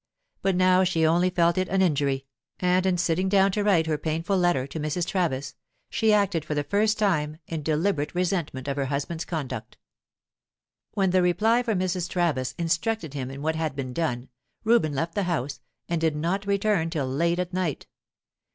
But now she only felt it an injury, and in sitting down to write her painful letter to Mrs. Travis, she acted for the first time in deliberate resentment of her husband's conduct. When the reply from Mrs. Travis instructed him in what had been done, Reuben left the house, and did not return till late at night.